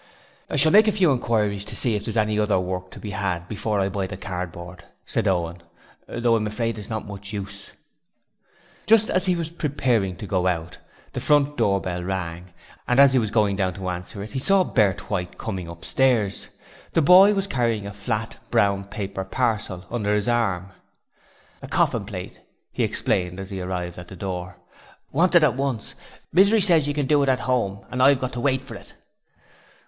'I shall make a few inquiries to see if there's any other work to be had before I buy the cardboard,' said Owen, 'although I'm afraid it's not much use.' Just as he was preparing to go out, the front door bell rang, and as he was going down to answer it he saw Bert White coming upstairs. The boy was carrying a flat, brown paper parcel under his arm. 'A corfin plate,' he explained as he arrived at the door. 'Wanted at once Misery ses you can do it at 'ome, an' I've got to wait for it.'